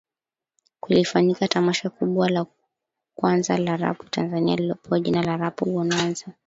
kulifanyika tamasha kubwa la kwanza la Rapu Tanzania lililopewa jina la Rapu Bonanza